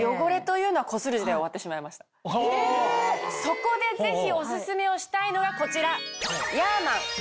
そこでぜひオススメをしたいのがこちら！